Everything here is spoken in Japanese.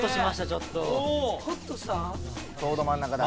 ちょうど真ん中だ。